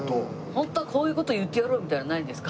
ホントこういう事言ってやろうみたいなのないんですか？